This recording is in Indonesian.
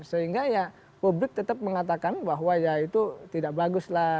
sehingga ya publik tetap mengatakan bahwa ya itu tidak bagus lah